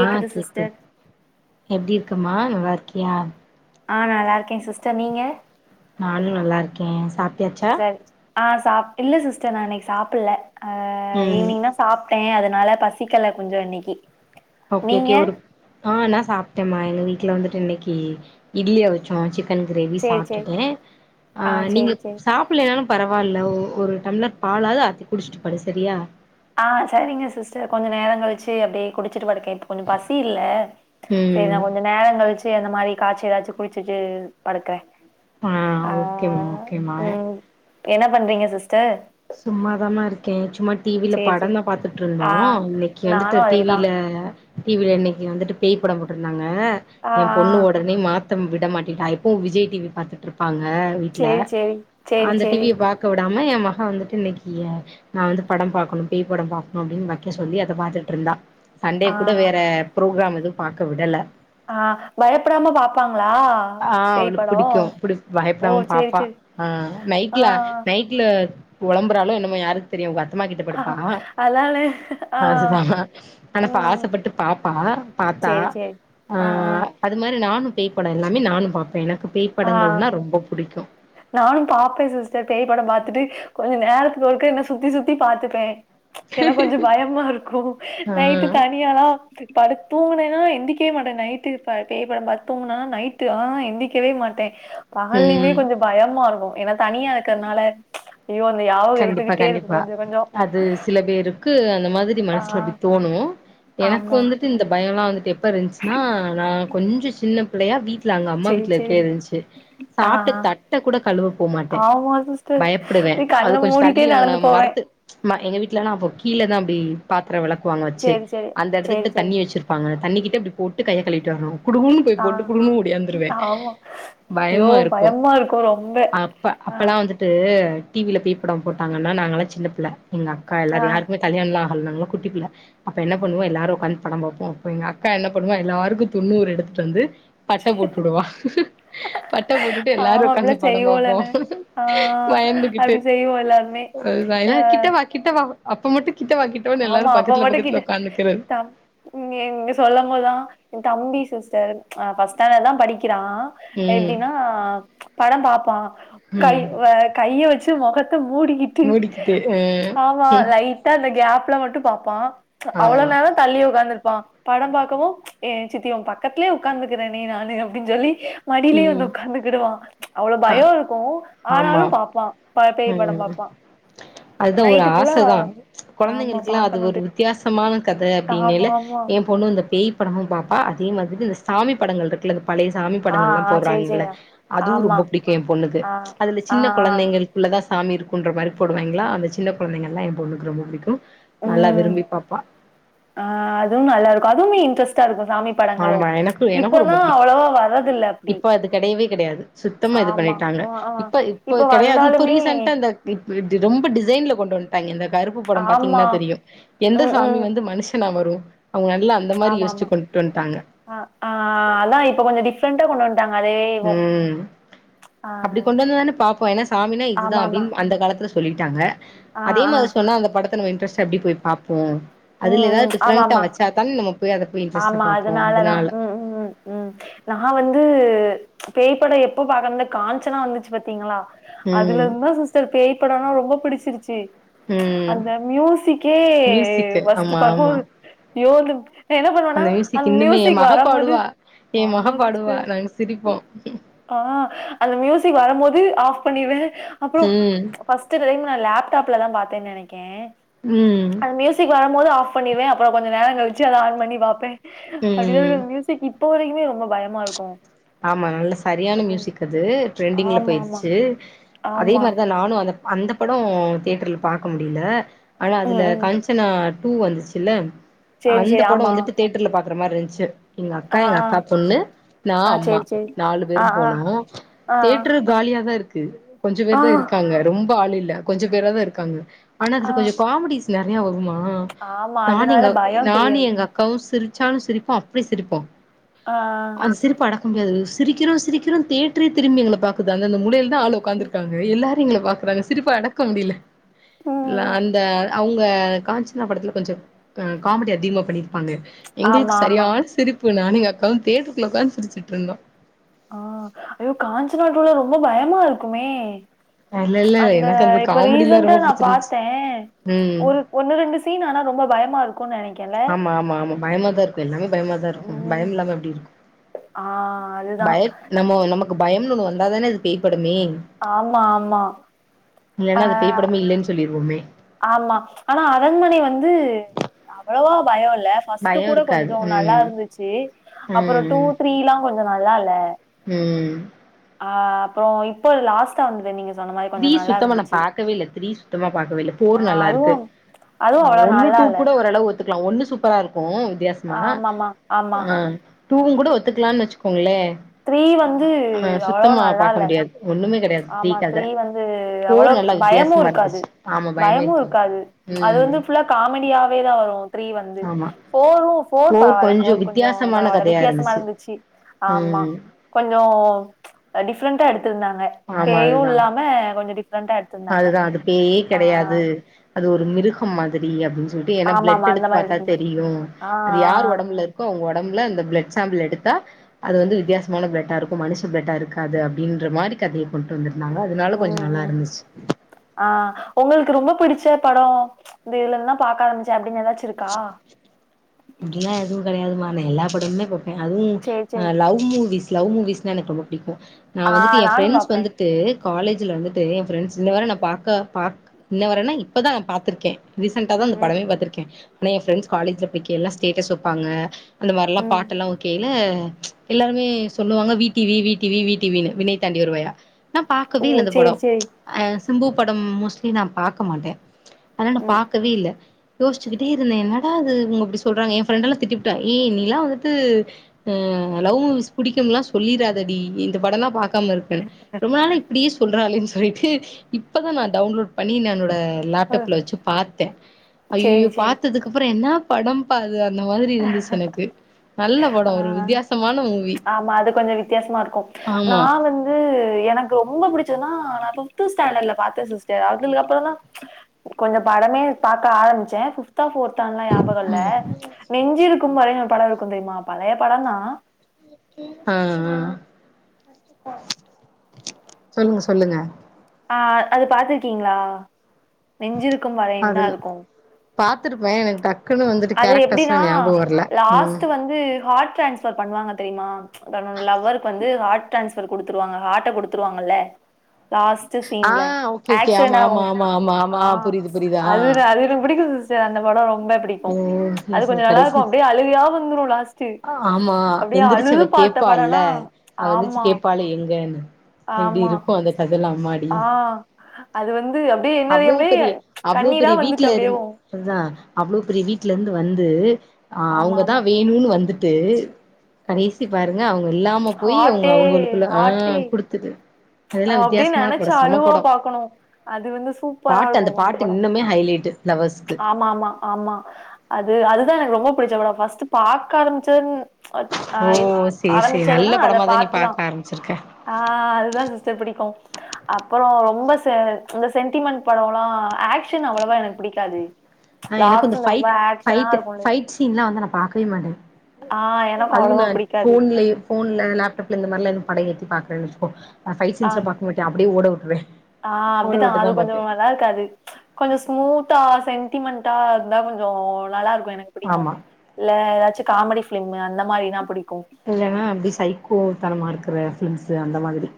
ஆ கேக்குது எப்டி இருக்கம்மா நல்லார்க்கியா ஆ நல்லா இருக்கே சிஸ்டர் நீங்க நானு நல்லா இருக்கே சாப்ட்டாச்சா சரி ஆ சாப் இல்ல சிஸ்டர் நா இன்னைக்கு சாப்புல்ல ஆ ம் ஈவ்னிங்தா சாப் ட்டே அதனால பசிக்கல கொஞ்சொ இன்னிக்கி ஓகே கே ஒரு ஆ நா சாப்ட்டேன்மா எங்க வீ ட்ல வந்துட்டு இன்னக்கி இட்லி அவிச்சோ சிக் க்கன் கிரேவி சேரி சேரி சாப்ட்டுட்டே ஆ சேரி நீங்க சேரி சாப்புலேனாலும் பரவால்ல ஒ ஒரு டம்ளர் பாலாது ஆத்தி குடிச்சிட்டு படு சரியா ஆ சரிங்க சிஸ்டர் கொஞ்ச நேரங் கழிச்சு அப்டியே குடிச் சிட்டு படுக்கே இப்ப கொஞ்சோ பசி இல்ல செரி ம் நான் கொஞ்சோ நேரங் கழிச்சு சேரி அந்த மாரி காய்ச்சி ஏதாச்சு குடிச்சிட்டு படுக்குற ஆ ஓகே ஓகேமா ம் என்ன பண்றீங்க சிஸ்டர் சும்மாதாமா இருக்கே சும்மா டி வில சேரி சேரி படந்தா பாத்துட்டு இருந்தோ ஆ இன்னைக்கு நானு வந்துட்டு டி அதேதா வில டி வில இன்னைக்கு வந்துட்டு பேய் படோ போட்டு இருந்தாங்க ஆ ங்க என் பொண்ணு ஆ ஒடனே மாத் தம் விட மாட்டின்டா எப்பவு விஜய் டி வி பாத்துட்டு இருப்பாங் க வீட்ல சேரி சேரி சேரி அந்த டி சேரி விய பாக்க வி தமயமா நா வந்துட்டு இன்னைக்கு நா வந்து படம் பாக்கணு பேய் படம் பாக்கணு அப்டின் வெக்க சொல்லி அத பாத்துட்டு இருந்தா சண்டே ஆ கூட வேற புரோகிராம் எது பாக்க விடல ஆ பயப்படாம பாப்பாங்களா ஆ பேய் அவளுக்கு படோ புடிக்கு புடி ஓ பயப்படாம சேரி பாப்பா சேரி ஆ ஆ புழம்பறாளோ என்னமோ யாருக்கு தெரியு அவங் அத்தம்மாகிட்ட படுப்பா அதனால ஆ அதுதா ஆனப்பா ம் ஆசைப்பட்டு பாப்பா பாத்தா சேரி சேரி ஆ அது மாரி நானு பேய்ப் படோ எல்லாமே நானு பாப்பேன் ஏனா பேய்ப்படங்கள்னா ரொம்ப புடிக்கு நானு பாப்பேன் சிஸ்டர் பேய் படம் பாத்துட்டு கொஞ்ச நேரத்துக்கு ஒருக்க என்ன சுத்தி சுத்தி பாத்துப்பே ப்ச் எல்லா கொஞ்சோ பயமா இருக்கு ஆ நைட்டு தனியால்லா படுத் தூங்கினேனா எந்திக்கவே மாட்டேன் நைட்டு பேய் படம் பாத்து தூங்கினா நைட்டு ஆ எந்திக்கவே மாட்டே பகல்லயுமே ம் கொஞ்சோ பயமா இருக்கு ஏனா தனியா இருக்கிறதுனால ப்ச் கண்டிப்பா கண்டிப்பா அது சில பேருக்கு அந்த மாதி ரி ஆ மனசுல அப்டி தோணு எனக்கு ஆமா வந்துட்டு இந்த பயோ எல்லா வந் துட்டு எப்ப இருந்ச்சின்னா நா கொஞ்ச சின்ன பிள்ளயா வீட்டு ல அங்க அம்மா சேரி வீட்ல சேரி இருக்கே இருந்ச்சு ஆ சாப்ட்ட ஆ தட்ட கூட கழுவ போமாட்டே ஆமா சிஸ்டர் பயப்படுவே அது கண்ண கொஞ்ச தள்ளி மூடிட்டே உன நடந்து போவே மரத்து மா எங்க வீட்டுலலா அப்போ கீழதா அப்டி பாத்திர வெள க்குவாங்க வச்சு சேரி சேரி அந்த சேரி எடத்துகிட்ட சேரி தண்ணி வச்சிருப்பாங்க தண்ணிகிட்ட இப்பிடி போட்டு கைய கழுவிட்டு வரணு குடு குடுனு போய் ஆ போட்டு குடுகுடுன்னு ஒடியாந்துருவே ஆமா. ஐயோ! பயமா இருக்கு பயமா இருக்கும் ரொம்ப. அப்ப ஆ, அப்பல்லா வந்துட்டு டி வி ல போய் படம் போட்டாங்கன்னா நாங்கள்லா சின்ன பிள்ள எங்க அக்கா ஆ. எல்லாரு யாருக்குமே கலியாண எல்லா நாங்கல்லா குட்டி புள்ள அப்ப என்ன பண்ணுவோ எல்லாரு உக்காந்து படம் பாப்போ அப்ப எங்க அக்கா என்ன பண்ணுவா எல்லாருக்கு துண்ணூறு எடுத்துட்டு வந்து பட்ட போட்டு உடுவா பட்ட போட்டுட்டு எல்லாரு ஆமா, உக்காந்து அப்படிலாம் படம் பாப்போ செய்வோலன்னு. பயந்துகிட் செய்வோ எல்லாருமே அ கிட்டவா அப்ப மட்டு கிட்டவா கிட்டவான்னு எல்லாரு ஆமா அப்ப பக்கத்துல மட்டு பக்கத்துல உக்காந்துக்கிறது கிட்டதம் இங்க சொல்லும் போதா எந்தம்பி சிஸ் ஸ்டர் அ ஃபஸ்டேன்டடு தா படிக் கிறா ம் எப்டின்னா படம் பாப்பா கை ம் கைய வச்சு மொகத் த மூடிக்கிட்டு மூடிக்கிட்டு ஆமா அ ம் லைட்டா அந்த கேப் மட்டு பாப்பா அவ்ள ஆமா நேர தள்ளி உக்காந்து பா படம் பாக்கவு ஏ சித்தி உம் பக்கத்துலயே உக்காந்துகறனே நானு அப்பிடின்னு சொல்லி மடியிலயே ம் வந்து உக்காந்துகிடுவா அவ்ள ஆ பய இருக்கு ஆமா ஆனாலு பாப்பா ப பேய் பட ம் பாப்பா நைட்டு ஃபுல்லா ஆமா குழந்தைங்களுக்கெல்லா அது ஒரு பாக்கணு வித்தியாசமான கத ஆமா அப்டிங்கைல ஆமா எம் பொண்ணு இந்த பேய் படம் பாப்பா அதே மாதிரி இந்த சாமி படங்கள் இருக்குல பழைய சாமி ஆ படங்கள் எல்லா ஆ சேரி சேரி போடறாங்கல்ல அதுவு ஆமா ரொம்ப புடிக்கு எம் பொண்ணுக்கு ஆ அதுல ஆ சின்ன ஆ கொழந்தைங்களுக்குள்ள தா சாமி இருக்குன்ற மாரி போடுவாய்ங்களா அந்த சின்ன கொழந்தைங்க எல்லா எம் பொண்ணுக்கு ரொம்ப புடிக்கு ம் ஆ அதுவு நல்லா இருக்கு அதுவுமே இன்ட்ரஸ்ட்டா இருக்கு சாமி படங்களு ஆமா எனக்கு எனக்கு இப்பதா ரொம்ப புடிக்கு அவ்வளவா வர்றதில்ல அப்டி இப்ப அது கெடையவே கெடையாது சுத்தமா இது ஆமா பண்ணிட்டாங்க ஆ ஆ இப்ப இப்ப கெடையாது இப்ப ரீசன்ட்டா அந்த தி தி ரொம்ப டி ட்ரெய்ன்ல கொண்டு வந்துட்டாய்ங்க இந்த கருப்பு பட ஆமா பாத்தீங்னா தெரியு எந்த ம் சாமி ம் வந்து மனுஷனா வரு அவங்க நல்லா அந்த மாரி யோச்சிகோண் அ ஆ அதா இப்ப கொஞ்ச டிஃப்ரெண்டா கொண்டு வந் ம் ஆ அப்டி கொண்டு வந்தாதானே பாப்போ ஏனா சாமினா இதுதா ஆமா ஆமா அப்டின்னு அந்த காலத்துல சொல்லிட்டாங்க ஆ அதே ஆ மாதிரி சொன்னா அந்த படத் துல இன்ட்ரஸ்டா எப்டி போய் பாப்போ ம் அதுல ஏதாவது ம் ஆமா டிஃப்ரெண்டா ஆமா வச்சா தானே நம்ம போய் அத போய் இன்ட்ரெஸ்டா ஆமா பாப்போ அதுனாலதா அதனால ம் ம் ம் ம் நா வந்து பேய்ப்படொ எப்போ பாக்கனன்னா காஞ்சனா வந்துச்சு பாத்தீங்களா அதுல ம் இருந்துதா சிஸ்டர் பேய்ப் படொலா ரொம்ப பிடிச்சிரு ச்சு ம் அந்த மியூசிக்கே மியூசிக்கு ஃபஸ்ட்டு ஆமா ஆமா பாப்போது போதும் என்ன பண்ணுவேனா மியூசிக் அந்த இன்னுமே என் மியூசிக் மக வரமோது பாடுவா என் மக ஆமா பாடுவா சிஸ்டர் நாங்க சிரிப்போ ஆ அந்த மியூசிக் வரம்போது ஆஃப் பண்ணிருவே அப்புறோ ம் ஃபஸ்ட் அதுல நா லேப்டாப்ல தா பாத்தே நெனக்கே ம் வரும்போது ஆஃப் பண்ணிருவே அப்புறோ கொஞ்சொ நேர கழிச்சு அத ஆன் பண்ணி பாப்பே அப்டித்தா ம் அந்த மியூசிக்கு இப்போ வரைக்குமே ரொம்ப பயமா இருக்கு ஆமா நல்ல சரியான ம் மியூசிக் அது ட்ரெண்டிங்ல ஆமா ஆமா போயிருச்சு அதே ஆமா மாதிரிதா நானு அந்த அந்த படொ தியேட்டர்ல பாக்க முடில ஆனா ம் அதுல ம் காஞ்சனா டூ வந்துச்சுல சேரி அந்த சேரி படொ ஆமா வந்துட்டு தியேட்டர்ல பா அப்புறொமாருந்ச்சு எங்க அக்கா ஆ எங்க ஆ அக்கா பொண்ணு நா ஆ அம் சேரி சேரி நாலு பேரு ஆ ஆ போனோ ஆ தியேட்டர் காலியா தா இருக்கு கொஞ்சொ ஆ ஆ பேர்தா இருக்காங்க ரொம்ப ஆளு இல் அ கொஞ்சொ பேராவது இருக்காங்க ஆனா ஆ. அதுல கொஞ்சம் காமெடீஸ் நறையா வருமா ஆ ஆமா நான் அதனால எங்க பயோ நான் தெரியாது எங்க அக்காவும் சிரி ச்சாலும் சிரிப்பம் அப்படி சிரிப்போம் ஆ ஆ முடியாது சிரிக்கிறோம் சிரிக்கிறோம் தியேட்டர் திரும்பி எங்களை பாக்குது அந்த அந்த மூளையில ஆள ஒக்காந்து இருக்காங்க எல்லா பாக்குறாங்க சிரிப்பா அடக்க முடியல ம் ம். அந்த அவங்க காஞ்சனா படத்துல கொஞ்சம் காமெடி அதிகமா பண்ணி இருப்பாங்க எங்களுக்கு ஆமா ஆமா சரியான சிரிப்பு நானும் என் அக்காவும் தியேட்டருக்குள்ள உட்கார்ந்து சிரிச்சு இருந்தோம் ஆ ஐயோ காஞ்சனா டூ ல ரொம்ப பயமா இருக்குமே இல்ல இல்ல அந்த எனக்கு இப்ப காமெடிலா ரீசண்டா ரொம்ப நான் புடிச்சிருந்துச்சு பார்த்தேன் ம் ஒரு ஒன்னு ரெண்டு சீன் ஆனா ரொம்ப பயமா இருக் ஆமா ஆமா ஆமா பயமா தான் இருக்கும் எல்லாமே பயமாதான் இருக்கும் ம் பயம் இல்லாம எப்படி இருக்கும் ஆ அதுதா பயம் நம்ம நமக்கு பயம்னு ஒன்னு வந்தாத தானே இது பேய் படம் ஆமா ஆமா ஆ இல்லைனா அது பேய் படமே இல்லன்னு சொல்லிடுவோமே ஆமா ஆனா அரண்மனை வந்து அவ்வளவா பயம் இல் ல ஃபர்ஸ்ட் பயம் கூட இருக்காது கொஞ்சம் நல்லா ம் இருந்துச்சு அப்புறம் டு ம் ம் திரி லா கொஞ் சம் நல்லா இல்ல ம் ஆ அப்புறம் இப்போ லாஸ்ட்டா வந்ததே நீங்க சொன்ன மாரி த்ரீ கொஞ்சோ நல்லா சுத்தமான நா இருந்துச்சு பாக்கவே இல்ல த்ரீ சுத்தமா பாக்கவே இல்ல ஆ போர் நல்லா அதுவு இருக்கு அதுவு அவ்வளோ ஒன்னு நல்லா டூ இல்ல கூட ஓரளவு இருக்கலாம் ஒண்ணு சூப்பரா இருக்கும் வித்தியாசமா ஆமாமா ஆமா ஆ டூவும் கூட ஒத்துக்கலாம்னு வச்சுக்கோங்களே த்ரீ வந்து ஆ அவ்வளோ சுத்தமா நல்லா பார்க்க முடியாது ஒண்ணுமே கிடையாது பே கதை அவ்வளவு பயமும் இருக்காது ஆமா பயமே பயமும் இருக்காது அது ம் வந்து ஃபுல்லா காமெடியாவே தான் வரும் த்ரீ வந்து ஆமா ஃபோர் ஃபோர் பரவால்ல கொஞ்சோ ஃபோர் கொஞ்சம் வித்தியாசமான பரவால்ல கதையா வித்தியாசமா இருந்துச்சு ஆமா ம் கொஞ்சம் டிஃப்ரெண்டா எடுத்து இருந்தாங்க பேயும் இல்லாம கொஞ்சம் டிப் அதுதான் அது பேயே கிடையாது அது ஒரு மிருகம் மாதிரி அப்படின்னு சொ ஏன்னா பிளட் ஆமாமா அந்த எடுத்து மாரி பார்த்தா எடுத்திருந்தாங்க தெரியும் ஆ அது ஆ யார் உடம்பு இருக்கோ அவங்க உடம்பு டம்ல அந்த பிளட் சாம்புள் எடுத்தா அது வந்து வித்தியாசமான பிளட்டாருக்கு மனுஷ பிளட்டா இருக்காது அப்டின்ற மாரி கதைய கொண்ட்டு வந்து னாங்க அதுனால கொஞ்சொ நல்லா இருந்துச்சு ஆஹ் உங்களுக்கு ரொம்ப புடிச்ச படோ இந்த இதுலந்து தா பாக்க ஆரம்பிச்சே அப்டின் ஏதாச் சிருக்கா அப்டில்லா எதுவு கெடையாதும்மா நா எல்லா படமுமே பாப் பே அதுவு சேரி சேரி அ லவ் மூவிஸ் லவ் மூவிஸ்னா எனக்கு ரொம்ப பிடிக்கு நா ஆ வந்துட்டு ஏ நானு ஃப்ரெண்ட்ஸ் பாப்பே வந்துட்டு காலேஜில வந்துட்டு ஏ ஃப்ரெண்ட்ஸ் இன்ன வர நா பாக்கா பாக் இன்ன வரன்னா இப்பொ தா பாத்துர்க்கே ரீசன்ட்டா தா ம் அந்த ம் படமே பாத்துர்க்கே நெ ஏ ஃப்ரெண்ட்ஸ் காலேஜ்ல படிக் எல்லா ஸ்டேட்டஸ் வப்பாங்க அந்த மாரிலா ம் பாட்டல்லா ஓகே னு எல்லாருமே சொல்லுவாங்க V T V V T V V T V னு விண்ணைத் தாண்டி வருவாயா நா ஓ பாக்கவே இல்ல அந்த படோ சேரி சேரி ஆஸ் கும்பு படம் மோஸ்ட்லி நா பாக்க மாட்டே அதலா நா ம் பாக்கவே இல்ல யோஸ்ச்சுக்கிட்டே இருந்தே என்னடா இது இவங்க இப்டிசொ சொல்றாங்க ஏ ஃபிரண்டெல்லா திட்டிப்ட்டா ஏ நீலா வந்துட்டு ஹு லவ்மூவிஸ் புடிக்குன்லா சொல்லிராதடி இந்த படொல்லா பாக் காம் இருக்கனு ரொம்ப நாளா இப்டீஸ் சொல்றாலேன் சொல்லிட்டு இப்பதா நா டவுன்லோட் பண்ணி நன்னோட அ லேப்டாப்ல வச்சு பாத்தே சேரி ஐயயோ சேரி பாத்ததுக்கப்றொ என்னா படம் து அந்த மாதிரி இருந்துசெனக்கு நல் ஆஹ் ஆமா அது கொஞ்சொ வித்தியாசமாருக்கு நா ஆமா வந்து எனக்கு ரொம்ப புடிச்சதுனா நா பு த்து ஸ்டேண்டர்ட்ல பாத்தே சிஸ்டர் அதுல்கப்றந்தா கொஞ்சொ படமே பார்க்க ஆரமிச்சே ஃபிப் த்தா ஃபோர்த்தான்லா ஞாபகொல்ல ம் நெஞ்சிருக் க்கும் வரைன் ஒரு படொருக்கு தெரிமா பழைய படந்தா ஆஹ் ஆ சொல்லுங்க சொல்லுங்க ஆஹ் அது பாத்துர்க்கீங்ளா நெஞ்சிருக்கும் வரைன் தா அதுல் இருக்கூ பாத்துருப்பே எனக்கு டக் அது எப்டினா ம் லாஸ்ட்டு வந்து ஹாட் டிரேன்ஸ்பர் பண்ணுவாங்க தெரியுமா தன்னோட லவ்வர்க்கு வந்து ஹாட் ட்ரேன்ஸ் குடுத்துருவாங்க ஹாட்ட குடுத்துருவாங்கல்லெ லாஸ்ட் ஆ சீன்ல ஓகே ஓகே ஆமா ஆக்சிடென்ட் ஆமா ஆகும் ஆமா ஆமா ஆ ஆமா புரியுது புரியுது ஆ அது அது என புடிக்கும் அந்த படம் ரொம்ப ரொம்ப புடிக்கு ம் சரி அது சரி கொஞ்ச நல்லா கடைசி இருக்கும் அப்டியே அழுவயா வந்துரு லாஸ்ட்டு ஆ, ஆமா அப்டியே எந்திரிச்சு அழுது அவ பாத்த கேப்பால்ல படனா அவ எந்திரிச்சு ஆம்மா கேப்பாளே எங்கன்னு எப்டி இருக்கு அந்த கதெல்லா அம்மாட் ஆ அது வந்து அப்டியே அவ்ளோ என்னரியாமலே பெரிய அவ்ளோ கண்ணீரா பெரிய வந்துட்டு வீட்ல இருந் அப்டியேவும் அதா அவ்ளோ பெரிய வீட்லெருந்து வந் து ஆ ஆமாமா. அவ்ங்கதான் வேணுன்னு வந்துட் டு கடேசி பாருங்க அவ்ங் க இல்லாம போய் அவ்ங்க ஹார்ட்டே அவ்ங்களுக்குள்ள ஆ குடுத்துட்டு ச் ஆ அதெல்லா அப்டே வித்தியாசமான நெனச்ச படோ செம அழுவா படோ பாக்கணும் அது வந்து சூப்பரா இருக்கு அந்த படம் ட்டு லவ்வர்ஸ்கு ஆம்மா அது அதுதா எனக்கு ரொம்போ புடிச்ச பட ஃபஸ்ட்டு பாக்க ஆரம்பிச்சன் ஆ ஓ இது சேரி சேரி நல்ல ஆரமிச்சதுன்னா அத படமாதா நீ பாத்துதா பாக்க ஆரம்பிச்சிருக்க ஆ அதுதான் சிஸ்டர் புடிக்கும் அப்பறோ ரொம்ப செ இந்த சென்டிமெண்ட் படோலா ஆக்ஷென் அவ்வளவா எனக் புடிக்காது ஆ எனக்கு இந்த ஃபைட் ஃபைட்டு ஃபைட் சீன்லா வந்து நா பாக்வே மாட்டே ஆ எனக்கு அதுவே அவ்வளவா நான் பிடிக்காது ஃபோன்லெயு ஃபோன்லெ லேப்டாப்லெ இந்த மாரிலா எது பட ஏத் பாக்றன்னே வச்சிகோ நா ஃபைட் ஆ சின்ஸ்ல பாக்க மாட்டே அப்டே ஓட விட் வே ஆ அப்டிதான் அது கொஞ்சோ நல்லா இருக்கது கொஞ்சோ ஸ்மூத்தா சென் டிமெண்டா இர்ந்தா கொஞ்சோ நல்லாருக் கும் எனக் புடிக்கும் ஆமா இல்ல எதாச்சு காமெடி ஃபிலிமு அந்த மாரினா புடிக் இல்லென்னா அப்டி சைக்கோ தனமா இருக்குற ஃபிலிம்ஸ்ஸு அந்த மாதிரி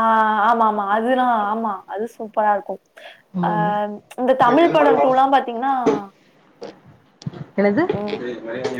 ஆ ஆம்மா ம்மா அதுதுலா ஆம்மா அது சூப் பரா இருக்கு ஆ ம் இந்த தமிழ் படம் டூல்லா பாத்தீங்கன்னா என்னது ம்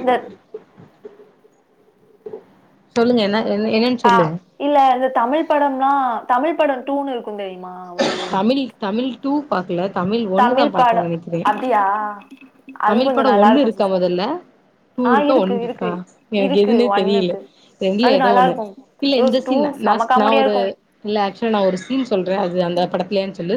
இந்த சொல்லுங்க என்ன என்ன என்னன்னு ஆ சொல்லு இல்ல அது தமிழ் படம் தா தமிழ்ப் படோ டூனு இருக் தமிழி தமிழ் டூ பாக்கல தமிழ் ஒண்ணு தா பாத்தே படம் நினைக்கிறே அப்டியா அது தமிழ் கொஞ்சம் படம் நல்லா ஒண்ணு இருக்கும் இருக்கா சிஸ்டர் மொதல்ல டூ ஆ இருக்கா ஒன் இருக்கு இருக்கு இருக்கா எனக்கு இருக்கு எதுன்னே ஒன் தெரியல இருக்கு ரெண்டுல அது ஏதோ நல்லா ஒண்ணு இருக்கும் இல்ல ஐயோ இந்த டூ சீன்லா செம நா காமெடியா ஒரு இருக்கும் இல்ல ஆக்சுவலா நா ஒரு சீன் சொல் அது அந்த படத்துலேந்து சொல்லு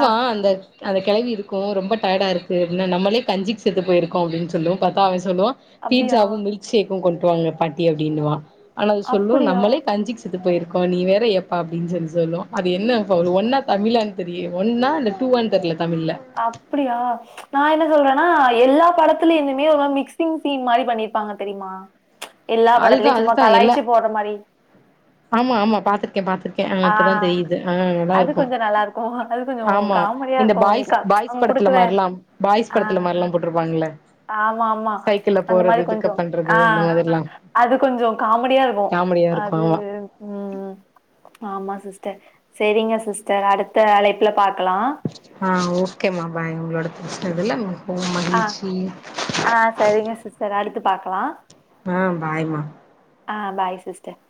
ஆ அந்த அத கெழவி இருக்கு ரொம்ப டயாடா இருக்கு அப்படினா நம்பலே கஞ்சிக்கு செத்துப்போயிருக்கோ அப்டின்னு சொல்லு பாத்தா அவே சொல்லுவா அப்டியா பீட்சாவு மில்க் ஷேக் கு கொண்டு வாங்க பாட்டி அப்படின்னுவா ஆனா அது சொல்லு அப்டியா நம்மளே கஞ்சிக்கு செத்துப்போய் இருக் க்கோ நீ வேற ஏன்பா அப்டின்னு சொல்லி சொல்லு அ து என்ன ஒரு ஒன்னா தமிழன் ரியே ஒன்னா இல்ல டூவான்னு தெரில அப்டியா நா என்ன சொல்ற னா எல்லா படத்துலெந்துமே ஒரு மாரி மிக்சிங் சீன் மாரி பண்ணிருப்பாங்க தெரியுமா எல்லா அதுதா படத்துலையு சும்மா அதுதா எல்லா கலாய்ச்சி போடுற மாரி ஆமா ஆமா பாத்துரு க்கே பாத்துருக்கே ஆ இப்பதா தெரியுது ஆ நல்லா அது இருக்கு கொஞ்சோ நல்லா இருக்கு அது கொஞ்சோ ஆமா காமெடியா இந்த இருக்கு பாய்ஸ் பாய்ஸ் அவங்க படத்துல குடுக்குற மாறிலாம் பாய்ஸ் ஆ படத்துல மாறிலா போட்ருப்பாங்கல ஆமா ஆமா அந்த மாரி பிக்கப் கொஞ்சம் பண்றது ஆ அந்த மாதிரிலா அது கொஞ்சோ காமெடியா இருக்கு காமெடியா இருக்கு அது ஆமா ம் ஆமா சிஸ்டர் சேரிங்க சிஸ்டர் அடுத்த அழைப்புல பாக் ஆ ஓக்கேமா பாய் உங்களோட பேசுனதுல மிகவும் ஆ மகிழ்ச்சி ஆ சரிங்க சிஸ்டர் அடுத்து பாக்கலா ஆ பாய்மா ஆ பாய் சிஸ்டர்